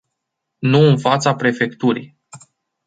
Nu în fața prefecturii.